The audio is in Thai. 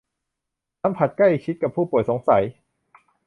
สัมผัสใกล้ชิดกับผู้ป่วยสงสัย